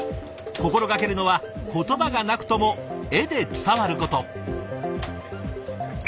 心掛けるのは言葉がなくとも画で伝わること。